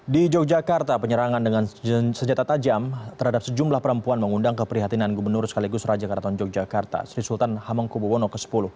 di yogyakarta penyerangan dengan senjata tajam terhadap sejumlah perempuan mengundang keprihatinan gubernur sekaligus raja karaton yogyakarta sri sultan hamengkubuwono x